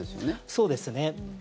そうですね。